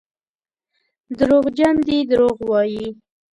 دروغجن دي دروغ وايي.